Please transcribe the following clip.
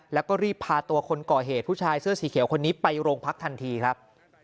แล้วก็รีบพาตัวคนก่อเหตุผู้ชายเสื้อสีเขียวคนนี้ไปโรงพักทันทีครับ